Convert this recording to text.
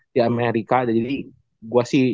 di amerika jadi gue sih